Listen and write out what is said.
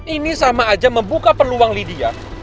ini sama aja membuka peluang lydia